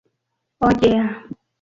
Oh Yeah!